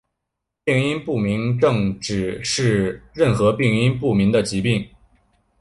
病因不明症指的是任何病因不明的疾病。